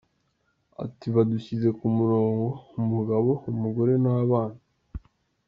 Ati “Badushyize ku murongo, umugabo, umugore n’abana.